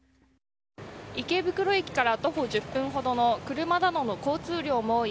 池袋駅から徒歩１０分ほどの車などの交通量も多い